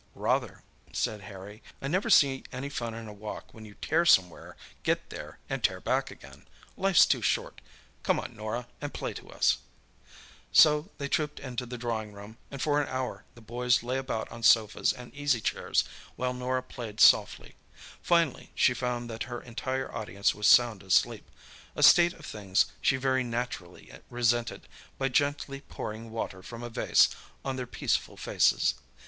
"Rather," said Harry. "I never see any fun in a walk when you tear somewhere, get there, and tear back again. Life's too short. Come on, Norah, and play to us." So they trooped into the drawing room, and for an hour the boys lay about on sofas and easy chairs, while Norah played softly. Finally she found that her entire audience was sound asleep, a state of things she very naturally resented by gently pouring water from a vase on their peaceful faces.